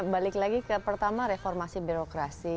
balik lagi ke pertama reformasi birokrasi